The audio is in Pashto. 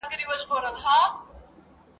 ځاني شتمني و ګڼل سوه